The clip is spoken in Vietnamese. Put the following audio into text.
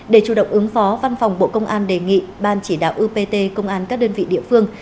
để chủ động ứng phó văn phòng bộ công an đề nghị ban chỉ đạo upt công an các đơn vị địa phương